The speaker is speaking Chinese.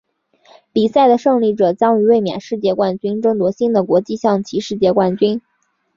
比赛的胜利者将与卫冕世界冠军争夺新的国际象棋世界冠军。